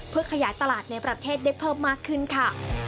เพื่อขยายตลาดในประเทศได้เพิ่มมากขึ้นค่ะ